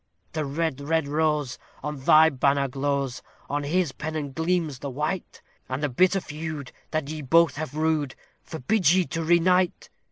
The Red, Red Rose, on thy banner glows, on his pennon gleams the White, And the bitter feud, that ye both have rued, forbids ye to unite.